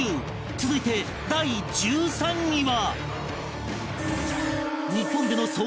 続いて第１３位は